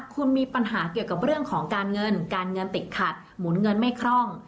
คุณมีปัญหาเกี่ยวกับเรื่องของการเงินการเงินติดขัดหมุนเงินไม่คร่อง